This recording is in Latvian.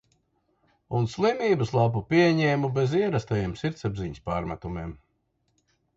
Un slimības lapu pieņēmu bez ierastajiem sirdsapziņas pārmetumiem.